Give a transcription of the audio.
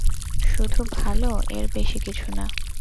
শুধু ভালো, এর বেশি কিছু না?